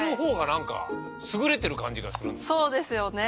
そうですよね。